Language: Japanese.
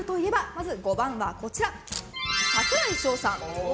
まず５番は、櫻井翔さん。